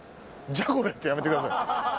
じゃこれ」ってやめてください